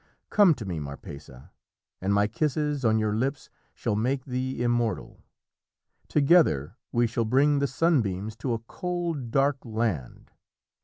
Come to me, Marpessa, and my kisses on your lips shall make thee immortal! Together we shall bring the sunbeams to a cold, dark land!